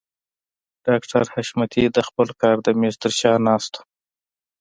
ډاکټر حشمتي د خپل کار د مېز تر شا ناست و.